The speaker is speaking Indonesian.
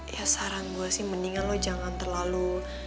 ya saran gue sih mendingan lo jangan terlalu